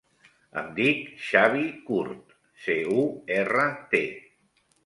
Em dic Xavi Curt: ce, u, erra, te.